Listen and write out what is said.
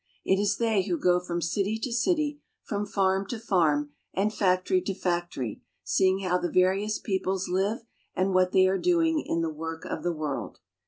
It is they who go from city to city, from farm to farm, and factory to factory, seeing how the various peoples live and what they are doing in the work of the world.